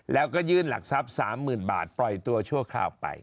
แล้วก็ยื่นหลักทรัพย์๓๐๐๐บาทปล่อยตัวชั่วคราวไป